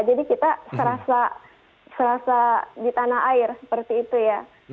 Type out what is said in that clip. jadi kita serasa di tanah air seperti itu ya